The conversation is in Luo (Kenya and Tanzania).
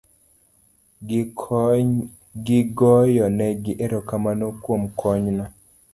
kigoyonego erokamano kuom konyno.